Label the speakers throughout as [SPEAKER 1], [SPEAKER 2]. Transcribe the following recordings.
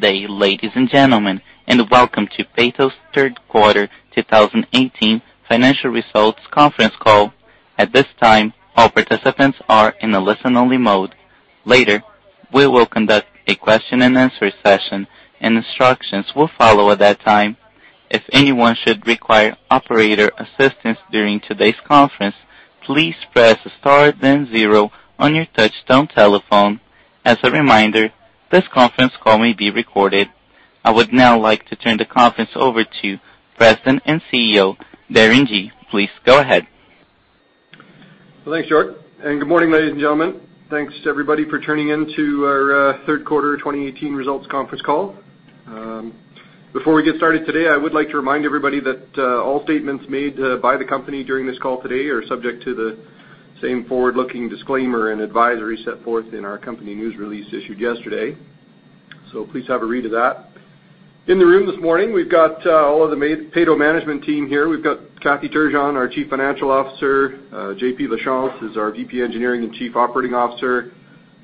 [SPEAKER 1] Good day, ladies and gentlemen. Welcome to Peyto's third quarter 2018 financial results conference call. At this time, all participants are in a listen-only mode. Later, we will conduct a question and answer session. Instructions will follow at that time. If anyone should require operator assistance during today's conference, please press star then zero on your touch-tone telephone. As a reminder, this conference call may be recorded. I would now like to turn the conference over to President and CEO, Darren Gee. Please go ahead.
[SPEAKER 2] Thanks, George. Good morning, ladies and gentlemen. Thanks to everybody for tuning in to our third quarter 2018 results conference call. Before we get started today, I would like to remind everybody that all statements made by the company during this call today are subject to the same forward-looking disclaimer and advisory set forth in our company news release issued yesterday. Please have a read of that. In the room this morning, we've got all of the Peyto management team here. We've got Kathy Turgeon, our Chief Financial Officer. JP Lachance is our VP Engineering and Chief Operating Officer.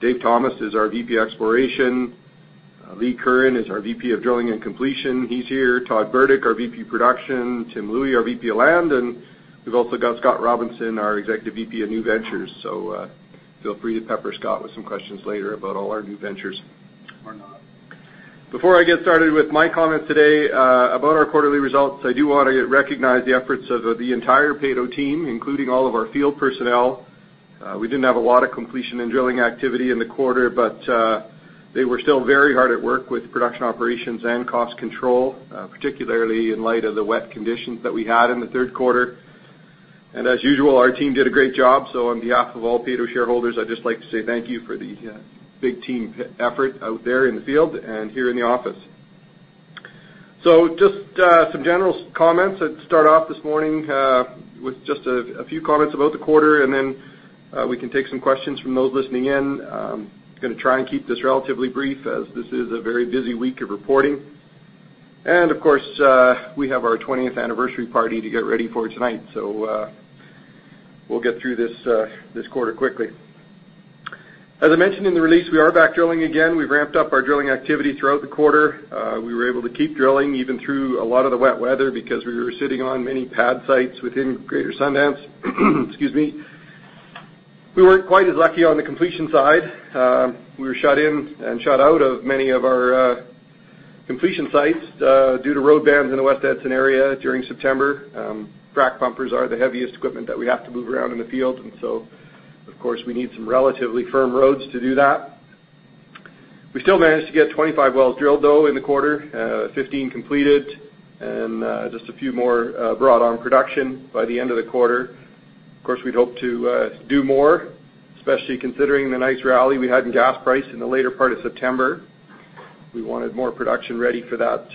[SPEAKER 2] Dave Thomas is our VP Exploration. Lee Curran is our VP of Drilling and Completion. He's here. Todd Burdick, our VP Production, Tim Louie, our VP of Land. We've also got Scott Robinson, our Executive VP of New Ventures. Feel free to pepper Scott with some questions later about all our new ventures. Or not. Before I get started with my comments today about our quarterly results, I do want to recognize the efforts of the entire Peyto team, including all of our field personnel. We didn't have a lot of completion and drilling activity in the quarter, but they were still very hard at work with production operations and cost control, particularly in light of the wet conditions that we had in the third quarter. As usual, our team did a great job. On behalf of all Peyto shareholders, I'd just like to say thank you for the big team effort out there in the field and here in the office. Just some general comments to start off this morning with just a few comments about the quarter. Then we can take some questions from those listening in. Going to try and keep this relatively brief as this is a very busy week of reporting. Of course, we have our 20th anniversary party to get ready for tonight. We'll get through this quarter quickly. As I mentioned in the release, we are back drilling again. We've ramped up our drilling activity throughout the quarter. We were able to keep drilling even through a lot of the wet weather because we were sitting on many pad sites within Greater Sundance. Excuse me. We weren't quite as lucky on the completion side. We were shut in and shut out of many of our completion sites due to road bans in the West Edson area during September. Frac pumpers are the heaviest equipment that we have to move around in the field, and so of course, we need some relatively firm roads to do that. We still managed to get 25 wells drilled, though, in the quarter, 15 completed, and just a few more brought on production by the end of the quarter. Of course, we'd hoped to do more, especially considering the nice rally we had in gas price in the later part of September. We wanted more production ready for that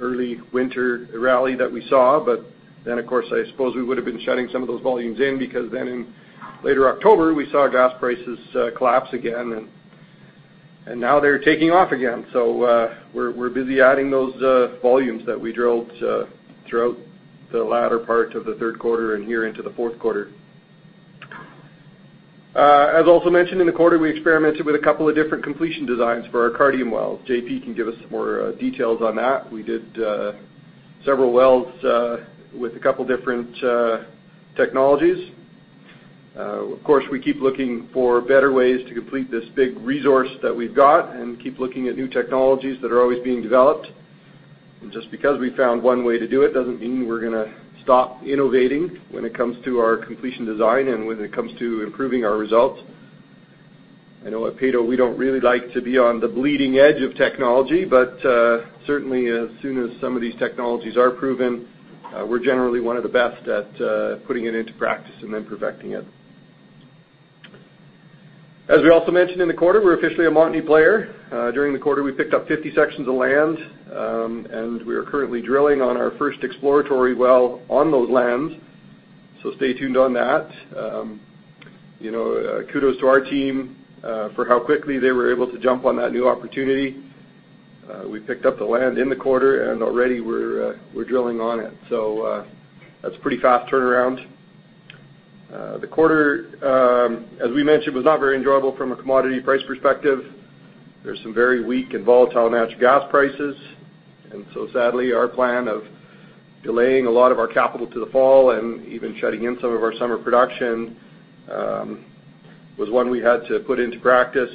[SPEAKER 2] early winter rally that we saw. I suppose we would have been shutting some of those volumes in because then in later October, we saw gas prices collapse again, and now they're taking off again. We're busy adding those volumes that we drilled throughout the latter part of the third quarter and here into the fourth quarter. As also mentioned in the quarter, we experimented with a couple of different completion designs for our Cardium wells. JP can give us some more details on that. We did several wells with a couple of different technologies. We keep looking for better ways to complete this big resource that we've got and keep looking at new technologies that are always being developed. Just because we found one way to do it doesn't mean we're going to stop innovating when it comes to our completion design and when it comes to improving our results. I know at Peyto, we don't really like to be on the bleeding edge of technology, but certainly as soon as some of these technologies are proven, we're generally one of the best at putting it into practice and then perfecting it. As we also mentioned in the quarter, we're officially a Montney player. During the quarter, we picked up 50 sections of land, and we are currently drilling on our first exploratory well on those lands. Stay tuned on that. Kudos to our team for how quickly they were able to jump on that new opportunity. We picked up the land in the quarter, and already we're drilling on it. That's a pretty fast turnaround. The quarter, as we mentioned, was not very enjoyable from a commodity price perspective. There's some very weak and volatile natural gas prices. Sadly, our plan of delaying a lot of our capital to the fall and even shutting in some of our summer production was one we had to put into practice.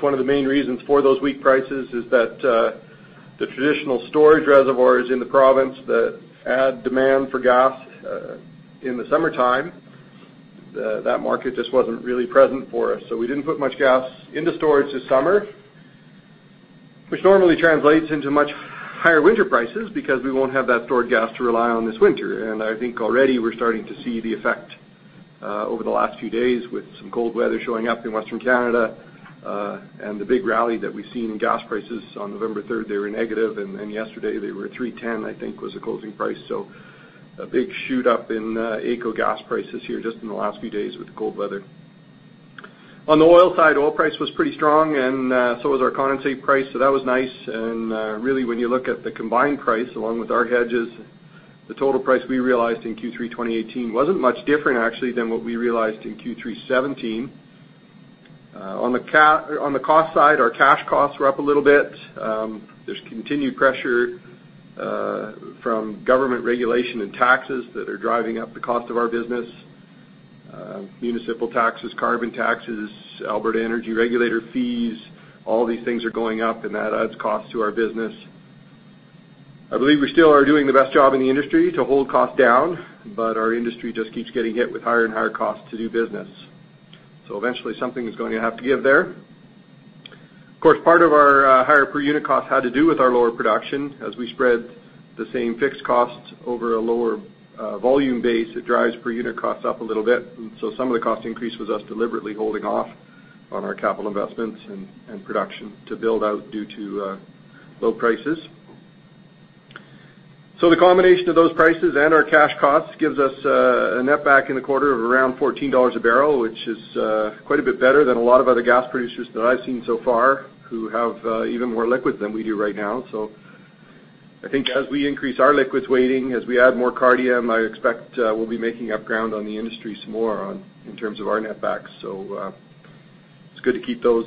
[SPEAKER 2] One of the main reasons for those weak prices is that the traditional storage reservoirs in the province that add demand for gas in the summertime, that market just wasn't really present for us. We didn't put much gas into storage this summer, which normally translates into much higher winter prices because we won't have that stored gas to rely on this winter. I think already we're starting to see the effect over the last few days with some cold weather showing up in Western Canada and the big rally that we've seen in gas prices on November 3rd, they were negative, and yesterday they were 3.10, I think was the closing price. A big shoot-up in AECO gas prices here just in the last few days with the cold weather. On the oil side, oil price was pretty strong, and so was our condensate price, so that was nice. Really, when you look at the combined price, along with our hedges, the total price we realized in Q3 2018 wasn't much different, actually, than what we realized in Q3 '17. On the cost side, our cash costs were up a little bit. There's continued pressure from government regulation and taxes that are driving up the cost of our business. Municipal taxes, carbon taxes, Alberta Energy Regulator fees, all these things are going up, and that adds cost to our business. I believe we still are doing the best job in the industry to hold costs down, but our industry just keeps getting hit with higher and higher costs to do business. Eventually something is going to have to give there. Of course, part of our higher per unit cost had to do with our lower production. As we spread the same fixed costs over a lower volume base, it drives per unit costs up a little bit. Some of the cost increase was us deliberately holding off on our capital investments and production to build out due to low prices. The combination of those prices and our cash costs gives us a net back in the quarter of around 14 dollars a barrel, which is quite a bit better than a lot of other gas producers that I've seen so far, who have even more liquids than we do right now. I think as we increase our liquids weighting, as we add more Cardium, I expect we'll be making up ground on the industry some more in terms of our net backs. It's good to keep those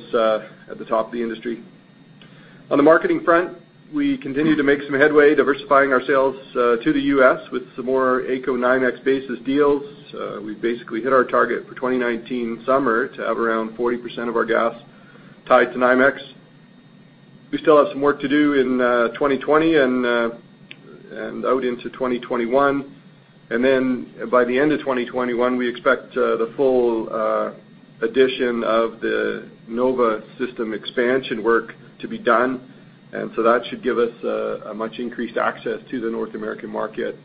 [SPEAKER 2] at the top of the industry. On the marketing front, we continue to make some headway diversifying our sales to the U.S. with some more AECO NYMEX-basis deals. We've basically hit our target for 2019 summer to have around 40% of our gas tied to NYMEX. We still have some work to do in 2020 and out into 2021. By the end of 2021, we expect the full addition of the Nova system expansion work to be done. That should give us a much increased access to the North American market.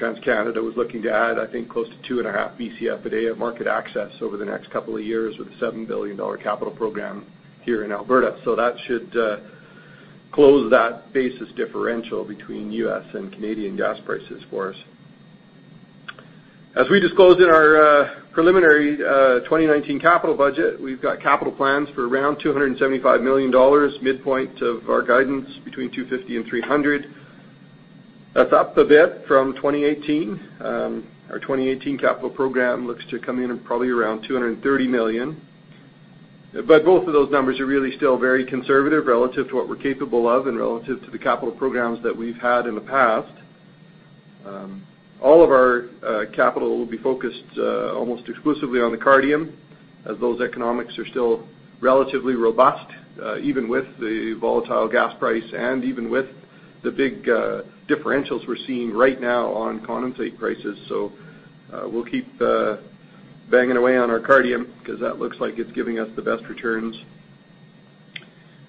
[SPEAKER 2] TransCanada was looking to add, I think, close to 2.5 Bcf a day of market access over the next couple of years with a 7 billion dollar capital program here in Alberta. That should close that basis differential between U.S. and Canadian gas prices for us. As we disclosed in our preliminary 2019 capital budget, we've got capital plans for around 275 million dollars, midpoint of our guidance between 250 million and 300 million. That's up a bit from 2018. Our 2018 capital program looks to come in at probably around 230 million. Both of those numbers are really still very conservative relative to what we're capable of and relative to the capital programs that we've had in the past. All of our capital will be focused almost exclusively on the Cardium, as those economics are still relatively robust even with the volatile gas price and even with the big differentials we're seeing right now on condensate prices. We'll keep banging away on our Cardium because that looks like it's giving us the best returns.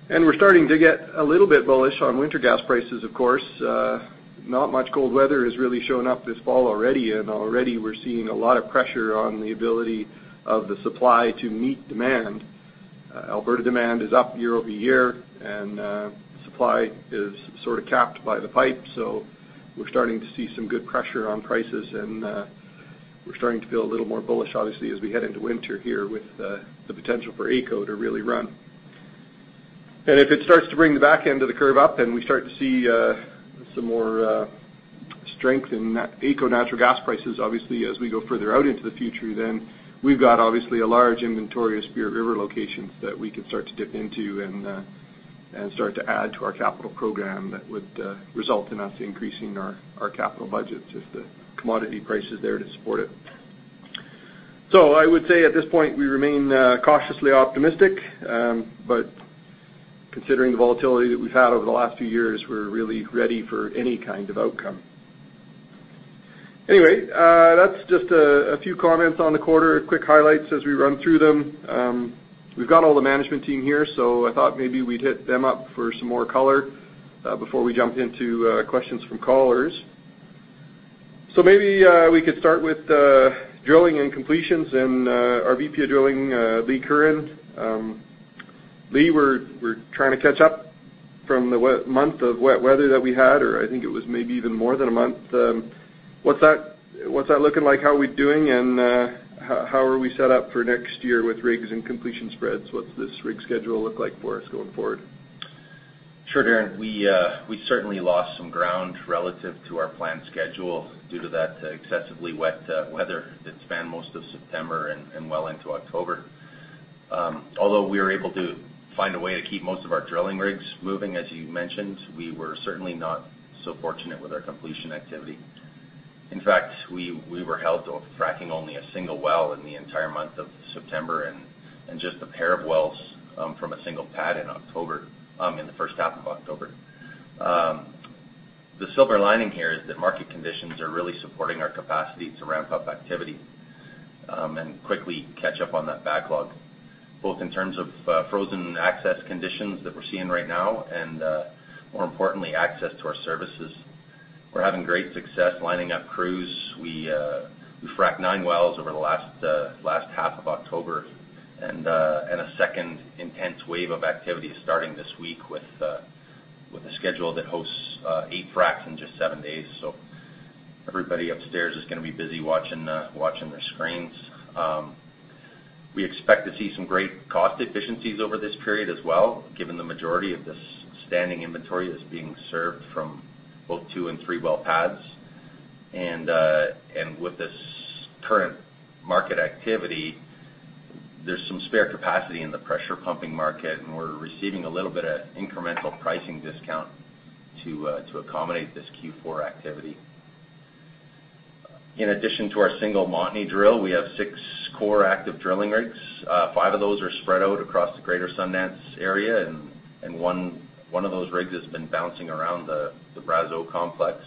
[SPEAKER 2] We're starting to get a little bit bullish on winter gas prices, of course. Not much cold weather has really shown up this fall already we're seeing a lot of pressure on the ability of the supply to meet demand. Alberta demand is up year-over-year, supply is sort of capped by the pipe. We're starting to see some good pressure on prices, we're starting to feel a little more bullish, obviously, as we head into winter here with the potential for AECO to really run. If it starts to bring the back end of the curve up and we start to see some more strength in that AECO natural gas prices, obviously, as we go further out into the future, we've got, obviously, a large inventory of Spirit River locations that we can start to dip into and start to add to our capital program that would result in us increasing our capital budget if the commodity price is there to support it. I would say at this point, we remain cautiously optimistic. Considering the volatility that we've had over the last few years, we're really ready for any kind of outcome. Anyway, that's just a few comments on the quarter, quick highlights as we run through them. We've got all the management team here, I thought maybe we'd hit them up for some more color before we jump into questions from callers. Maybe we could start with drilling and completions and our VP of Drilling, Lee Curran. Lee, we're trying to catch up from the month of wet weather that we had, or I think it was maybe even more than a month. What's that looking like? How are we doing, and how are we set up for next year with rigs and completion spreads? What's this rig schedule look like for us going forward?
[SPEAKER 3] Sure, Darren. We certainly lost some ground relative to our planned schedule due to that excessively wet weather that spanned most of September and well into October. Although we were able to find a way to keep most of our drilling rigs moving, as you mentioned, we were certainly not so fortunate with our completion activity. In fact, we were held to fracking only a single well in the entire month of September and just a pair of wells from a single pad in October, in the first half of October. The silver lining here is that market conditions are really supporting our capacity to ramp up activity and quickly catch up on that backlog, both in terms of frozen access conditions that we're seeing right now and, more importantly, access to our services. We're having great success lining up crews. We fracked nine wells over the last half of October, and a second intense wave of activity is starting this week with a schedule that hosts eight fracs in just seven days. Everybody upstairs is going to be busy watching their screens. We expect to see some great cost efficiencies over this period as well, given the majority of the standing inventory is being served from both two and three well pads. With this current market activity, there's some spare capacity in the pressure pumping market, and we're receiving a little bit of incremental pricing discount to accommodate this Q4 activity. In addition to our single Montney drill, we have six core active drilling rigs. Five of those are spread out across the greater Sundance area, and one of those rigs has been bouncing around the Brazeau Complex.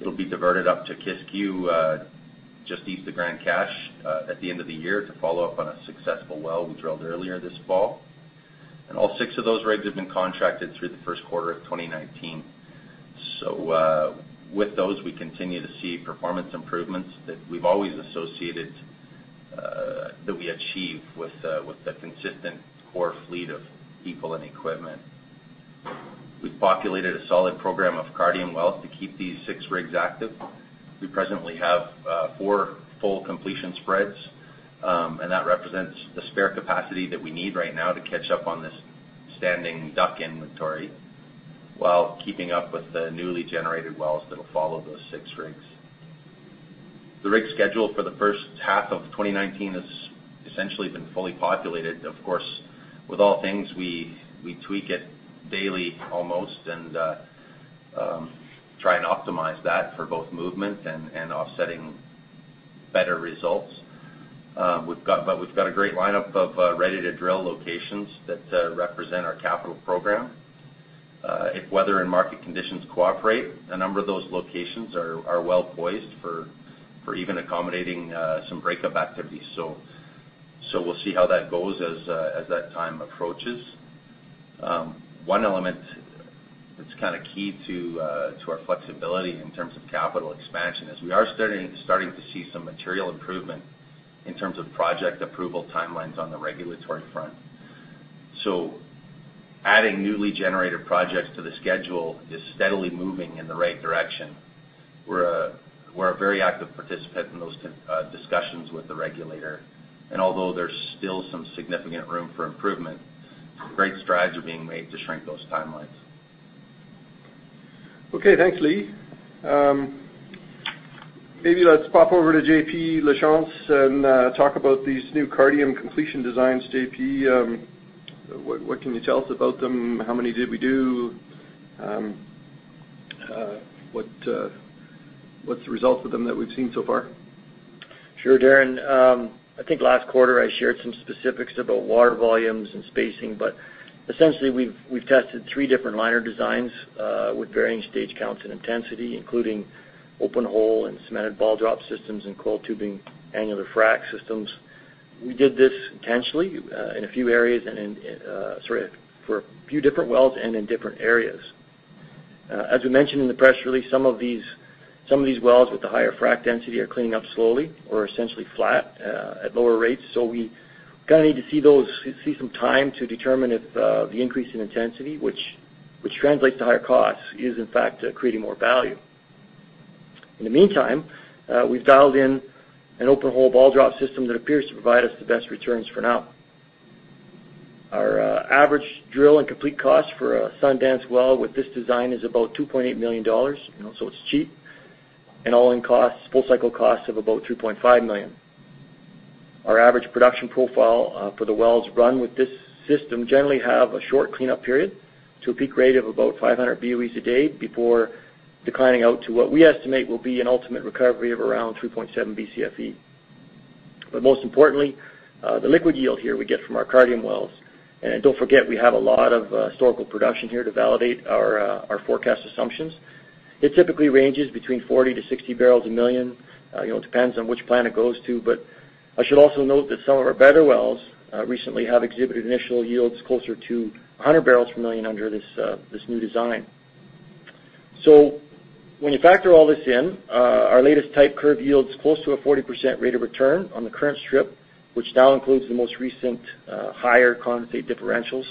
[SPEAKER 3] It'll be diverted up to Kiskew just east of Grande Cache at the end of the year to follow up on a successful well we drilled earlier this fall. All six of those rigs have been contracted through the first quarter of 2019. With those, we continue to see performance improvements that we've always associated that we achieve with the consistent core fleet of people and equipment. We've populated a solid program of Cardium wells to keep these six rigs active. We presently have four full completion spreads, and that represents the spare capacity that we need right now to catch up on this standing duck inventory while keeping up with the newly generated wells that'll follow those six rigs. The rig schedule for the first half of 2019 has essentially been fully populated. Of course, with all things, we tweak it daily almost, and try and optimize that for both movement and offsetting better results. We've got a great lineup of ready-to-drill locations that represent our capital program. If weather and market conditions cooperate, a number of those locations are well poised for even accommodating some breakup activities. We'll see how that goes as that time approaches. One element that's key to our flexibility in terms of capital expansion is we are starting to see some material improvement in terms of project approval timelines on the regulatory front. Adding newly generated projects to the schedule is steadily moving in the right direction. We're a very active participant in those discussions with the Regulator, and although there's still some significant room for improvement, great strides are being made to shrink those timelines.
[SPEAKER 2] Okay. Thanks, Lee. Maybe let's pop over to JP Lachance and talk about these new Cardium completion designs. JP, what can you tell us about them? How many did we do? What's the results of them that we've seen so far?
[SPEAKER 4] Sure, Darren. I think last quarter I shared some specifics about water volumes and spacing, but essentially we've tested three different liner designs with varying stage counts and intensity, including open hole and cemented ball drop systems and coiled tubing annular frack systems. We did this intentionally for a few different wells and in different areas. As we mentioned in the press release, some of these wells with the higher frack density are cleaning up slowly or are essentially flat at lower rates. We need to see some time to determine if the increase in intensity, which translates to higher costs, is in fact creating more value. In the meantime, we've dialed in an open hole ball drop system that appears to provide us the best returns for now. Our average drill and complete cost for a Sundance well with this design is about 2.8 million dollars, it's cheap, and all-in costs, full cycle costs of about 3.5 million. Our average production profile for the wells run with this system generally have a short cleanup period to a peak rate of about 500 BOEs a day before declining out to what we estimate will be an ultimate recovery of around 3.7 BCFE. Most importantly, the liquid yield here we get from our Cardium wells, and don't forget, we have a lot of historical production here to validate our forecast assumptions. It typically ranges between 40 to 60 barrels a million. It depends on which plant it goes to, but I should also note that some of our better wells recently have exhibited initial yields closer to 100 barrels per million under this new design. When you factor all this in, our latest type curve yields close to a 40% rate of return on the current strip, which now includes the most recent higher condensate differentials.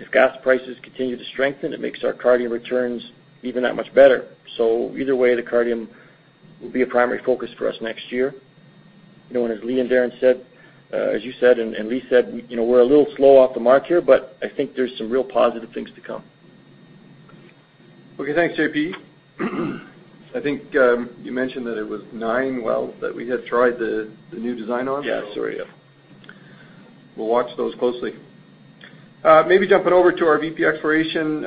[SPEAKER 4] If gas prices continue to strengthen, it makes our Cardium returns even that much better. Either way, the Cardium will be a primary focus for us next year. As Lee and Darren said, as you said and Lee said, we're a little slow off the mark here, but I think there's some real positive things to come.
[SPEAKER 2] Okay. Thanks, JP. I think you mentioned that it was nine wells that we had tried the new design on.
[SPEAKER 4] Yeah. Sorry, yeah.
[SPEAKER 2] We'll watch those closely. Maybe jumping over to our VP exploration,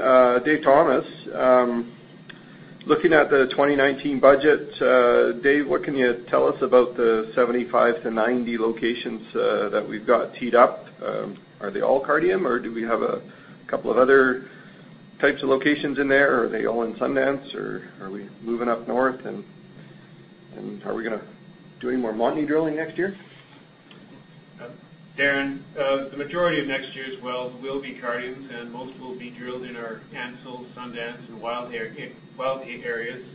[SPEAKER 2] Dave Thomas. Looking at the 2019 budget, Dave, what can you tell us about the 75 to 90 locations that we've got teed up? Are they all Cardium, or do we have a couple of other types of locations in there? Are they all in Sundance, or are we moving up north, and are we going to do any more Montney drilling next year?
[SPEAKER 5] Darren, the majority of next year's wells will be Cardiums, and most will be drilled in our Ansell, Sundance, and Wildhay areas.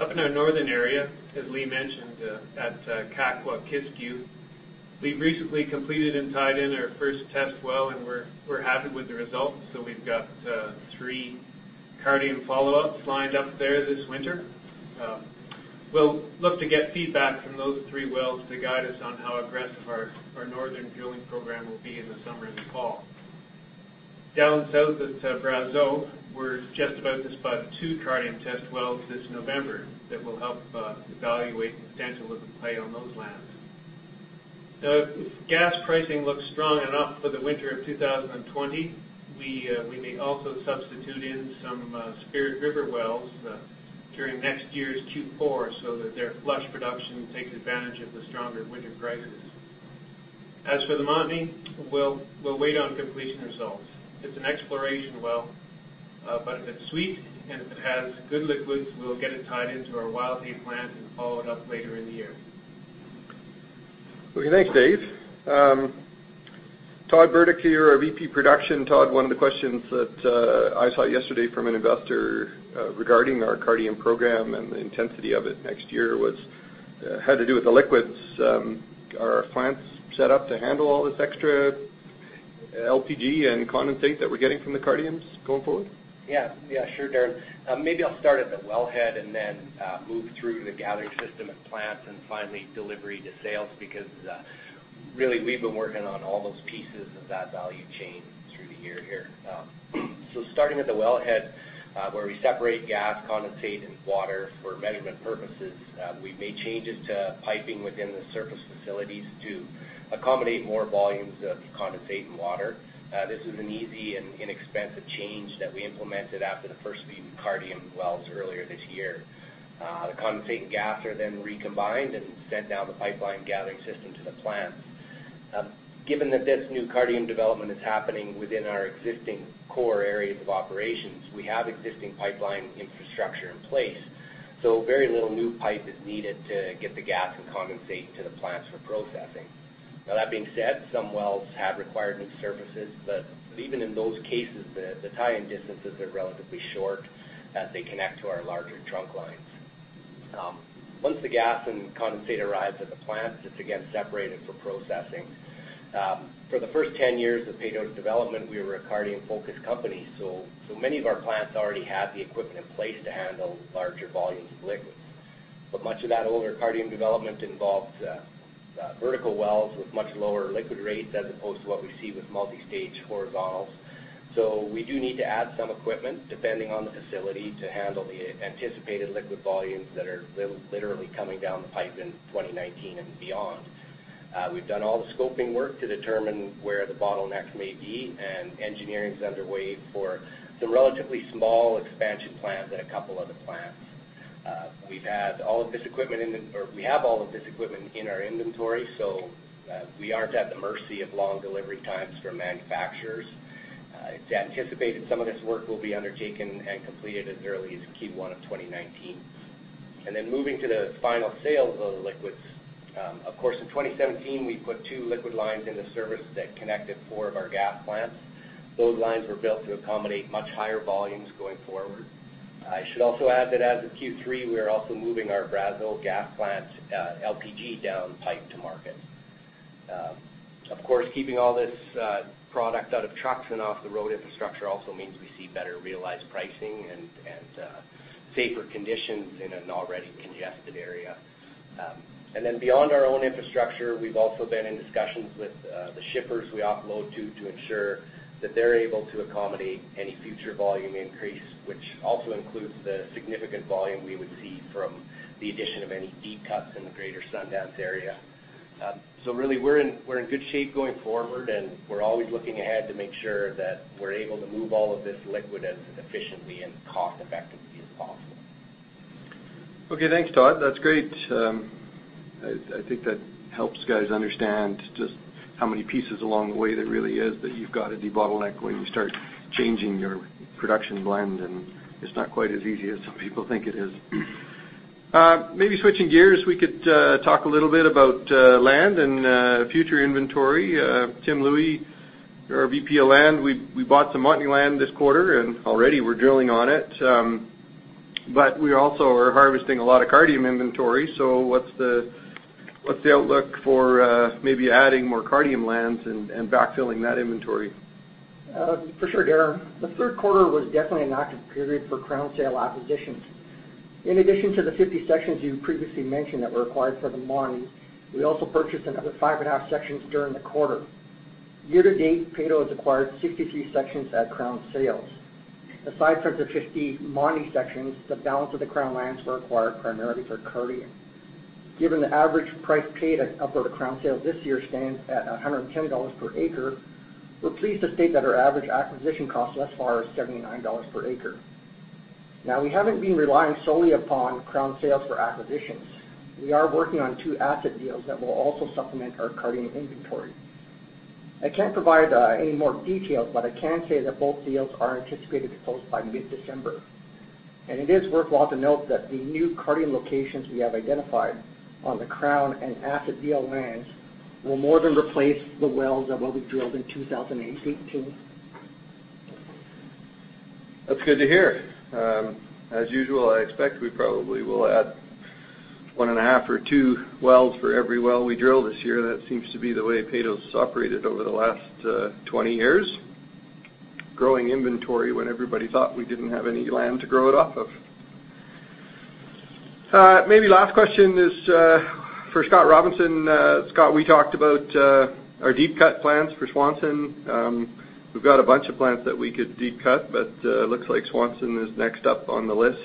[SPEAKER 5] Up in our northern area, as Lee mentioned, at Kakwa Kiskew, we've recently completed and tied in our first test well, and we're happy with the results. We've got three Cardium follow-up lined up there this winter. We'll look to get feedback from those three wells to guide us on how aggressive our northern drilling program will be in the summer and the fall. Down south at Brazeau, we're just about to spot two Cardium test wells this November that will help evaluate the potential of the play on those lands. If gas pricing looks strong enough for the winter of 2020, we may also substitute in some Spirit River wells during next year's Q4 so that their flush production takes advantage of the stronger winter prices. As for the Montney, we'll wait on completion results. It's an exploration well, but if it's sweet and if it has good liquids, we'll get it tied into our Wildhay plant and follow it up later in the year.
[SPEAKER 2] Okay, thanks, Dave. Todd Burdick here, our VP Production. Todd, one of the questions that I saw yesterday from an investor regarding our Cardium program and the intensity of it next year had to do with the liquids. Are our plants set up to handle all this extra LPG and condensate that we're getting from the Cardiums going forward?
[SPEAKER 6] Sure, Darren. Maybe I'll start at the wellhead and then move through the gathering system at the plant and finally delivery to sales, because really, we've been working on all those pieces of that value chain through the year here. Starting at the wellhead where we separate gas, condensate, and water for measurement purposes, we've made changes to piping within the surface facilities to accommodate more volumes of the condensate and water. This is an easy and inexpensive change that we implemented after the first few Cardium wells earlier this year. The condensate and gas are then recombined and sent down the pipeline gathering system to the plant. Given that this new Cardium development is happening within our existing core areas of operations, we have existing pipeline infrastructure in place, very little new pipe is needed to get the gas and condensate to the plants for processing. That being said, some wells have required new surfaces, but even in those cases, the tie-in distances are relatively short as they connect to our larger trunk lines. Once the gas and condensate arrives at the plant, it's again separated for processing. For the first 10 years of Peyto's development, we were a Cardium-focused company, many of our plants already had the equipment in place to handle larger volumes of liquids. Much of that older Cardium development involved vertical wells with much lower liquid rates as opposed to what we see with multi-stage horizontals. We do need to add some equipment, depending on the facility, to handle the anticipated liquid volumes that are literally coming down the pipe in 2019 and beyond. We've done all the scoping work to determine where the bottlenecks may be, engineering's underway for some relatively small expansion plans at a couple of the plants. We have all of this equipment in our inventory, we aren't at the mercy of long delivery times from manufacturers. It's anticipated some of this work will be undertaken and completed as early as Q1 of 2019. Then moving to the final sales of the liquids. Of course, in 2017, we put two liquid lines into service that connected four of our gas plants. Those lines were built to accommodate much higher volumes going forward. I should also add that as of Q3, we are also moving our Brazeau gas plant LPG downpipe to market. Keeping all this product out of trucks and off the road infrastructure also means we see better realized pricing and safer conditions in an already congested area. Beyond our own infrastructure, we've also been in discussions with the shippers we offload to ensure that they're able to accommodate any future volume increase, which also includes the significant volume we would see from the addition of any deep cuts in the greater Sundance area. Really, we're in good shape going forward, and we're always looking ahead to make sure that we're able to move all of this liquid as efficiently and cost-effectively as possible.
[SPEAKER 2] Okay, thanks, Todd. That's great. I think that helps guys understand just how many pieces along the way there really is that you've got to debottleneck when you start changing your production blend, and it's not quite as easy as some people think it is. Maybe switching gears, we could talk a little bit about land and future inventory. Tim Louie, our VP of Land, we bought some Montney land this quarter and already we're drilling on it. We also are harvesting a lot of Cardium inventory. What's the outlook for maybe adding more Cardium lands and backfilling that inventory?
[SPEAKER 7] For sure, Darren. The third quarter was definitely an active period for Crown sale acquisitions. In addition to the 50 sections you previously mentioned that were acquired for the Montney, we also purchased another 5.5 sections during the quarter. Year to date, Peyto has acquired 63 sections at Crown sales. Aside from the 50 Montney sections, the balance of the Crown lands were acquired primarily for Cardium. Given the average price paid at Alberta Crown sales this year stands at 110 dollars per acre, we're pleased to state that our average acquisition cost thus far is 79 dollars per acre. We haven't been relying solely upon Crown sales for acquisitions. We are working on two asset deals that will also supplement our Cardium inventory. I can't provide any more details, but I can say that both deals are anticipated to close by mid-December. It is worthwhile to note that the new Cardium locations we have identified on the Crown and asset deal lands will more than replace the wells that will be drilled in 2018.
[SPEAKER 2] That's good to hear. As usual, I expect we probably will add one and a half or two wells for every well we drill this year. That seems to be the way Peyto's operated over the last 20 years, growing inventory when everybody thought we didn't have any land to grow it off of. Last question is for Scott Robinson. Scott, we talked about our deep cut plans for Swanson. We've got a bunch of plans that we could deep cut, but looks like Swanson is next up on the list.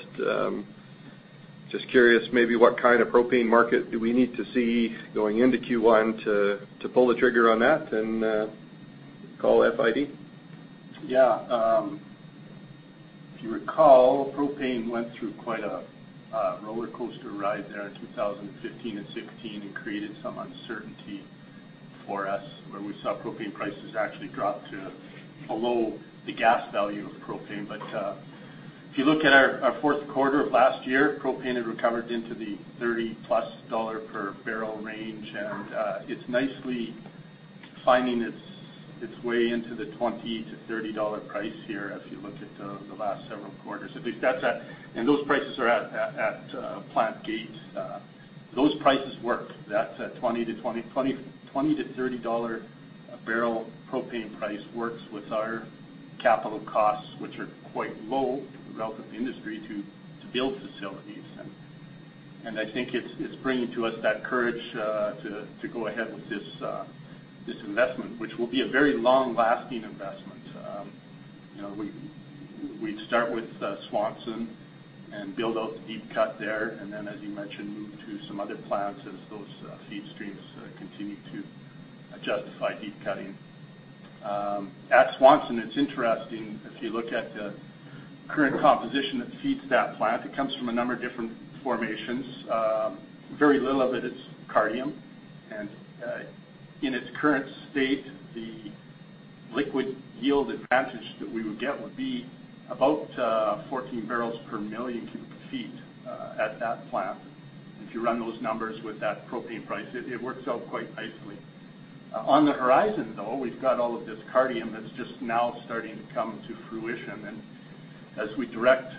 [SPEAKER 2] Just curious, maybe what kind of propane market do we need to see going into Q1 to pull the trigger on that and call FID?
[SPEAKER 8] If you recall, propane went through quite a rollercoaster ride there in 2015 and 2016, and created some uncertainty for us, where we saw propane prices actually drop to below the gas value of propane. If you look at our fourth quarter of last year, propane had recovered into the 30-plus dollar per barrel range. It's nicely finding its way into the 20 to 30 dollar price here if you look at the last several quarters. Those prices are at plant gate. Those prices work. That 20 to 30 dollar barrel propane price works with our capital costs, which are quite low relative to the industry, to build facilities. I think it's bringing to us that courage to go ahead with this investment, which will be a very long-lasting investment. We'd start with Swanson and build out the deep cut there, then, as you mentioned, move to some other plants as those feed streams continue to justify deep cutting. At Swanson, it's interesting, if you look at the current composition that feeds that plant, it comes from a number of different formations. Very little of it is Cardium. In its current state, the liquid yield advantage that we would get would be about 14 barrels per million cubic feet at that plant. If you run those numbers with that propane price, it works out quite nicely. On the horizon, though, we've got all of this Cardium that's just now starting to come to fruition. As we direct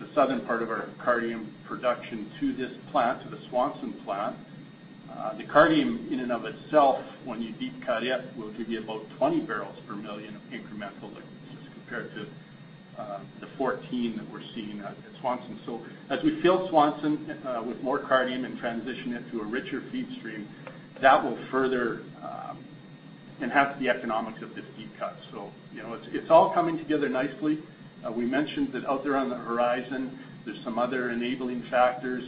[SPEAKER 8] the southern part of our Cardium production to this plant, to the Swanson plant, the Cardium in and of itself, when you deep cut it, will give you about 20 barrels per million of incremental liquids as compared to the 14 that we're seeing at Swanson. As we fill Swanson with more Cardium and transition it to a richer feed stream, that will further enhance the economics of this deep cut. It's all coming together nicely. We mentioned that out there on the horizon, there's some other enabling factors.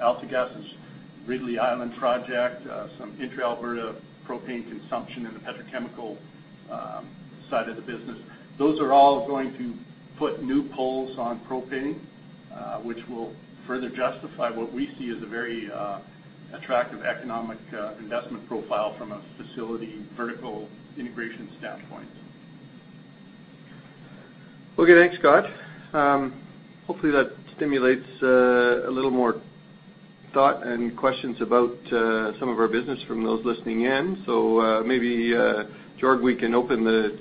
[SPEAKER 8] AltaGas' Ridley Island project, some intra-Alberta propane consumption in the petrochemical side of the business. Those are all going to put new pulls on propane, which will further justify what we see as a very attractive economic investment profile from a facility vertical integration standpoint.
[SPEAKER 2] Thanks, Scott. Hopefully, that stimulates a little more thought and questions about some of our business from those listening in. Maybe, George, we can open the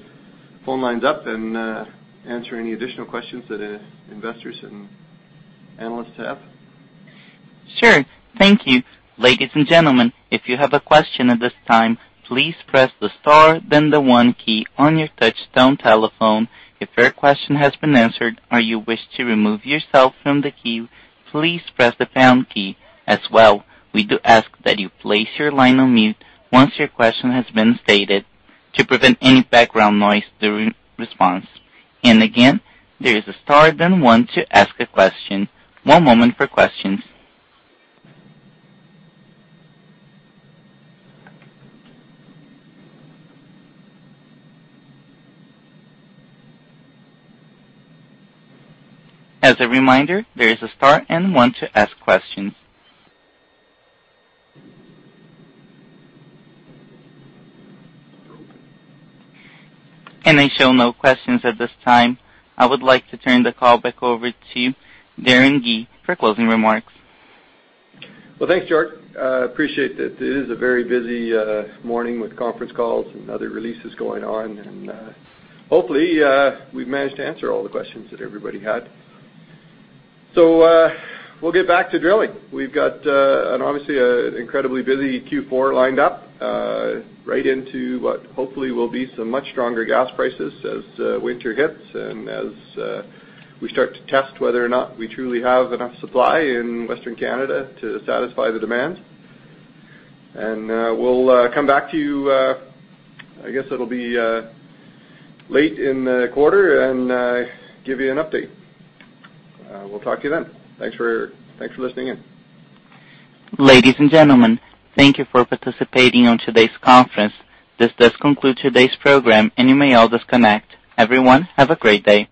[SPEAKER 2] phone lines up and answer any additional questions that investors and analysts have.
[SPEAKER 1] Sure. Thank you. Ladies and gentlemen, if you have a question at this time, please press the star, then the one key on your touchtone telephone. If your question has been answered or you wish to remove yourself from the queue, please press the pound key. As well, we do ask that you place your line on mute once your question has been stated to prevent any background noise during response. Again, there is a star, then one to ask a question. One moment for questions. As a reminder, there is a star and one to ask questions. I show no questions at this time. I would like to turn the call back over to Darren Gee for closing remarks.
[SPEAKER 2] Well, thanks, George. I appreciate that. It is a very busy morning with conference calls and other releases going on, and hopefully, we've managed to answer all the questions that everybody had. We'll get back to drilling. We've got an obviously incredibly busy Q4 lined up right into what hopefully will be some much stronger gas prices as winter hits and as we start to test whether or not we truly have enough supply in Western Canada to satisfy the demand. We'll come back to you, I guess it'll be late in the quarter, and give you an update. We'll talk to you then. Thanks for listening in.
[SPEAKER 1] Ladies and gentlemen, thank you for participating on today's conference. This does conclude today's program, and you may all disconnect. Everyone, have a great day.